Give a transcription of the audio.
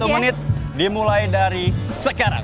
satu menit dimulai dari sekarang